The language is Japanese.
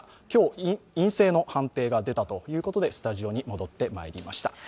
今日、陰性の判定が出たということでスタジオに戻ってまいりました。